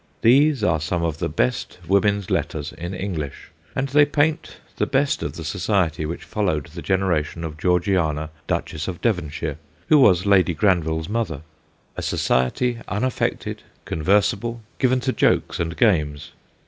These are some of the best woman's letters in English, and they paint the best of the society which followed the genera tion of Georgiana, Duchess of Devonshire, who was Lady Granville's mother : a society unaffected, conversible, given to jokes and games.